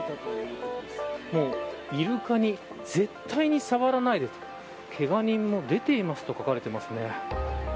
イルカに絶対に触らないでというけが人も出ていますと書かれていますね。